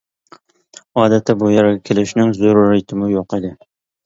ئادەتتە بۇ يەرگە كېلىشنىڭ زۆرۈرىيىتىمۇ يوق ئىدى.